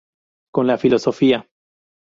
Con la Filosofía.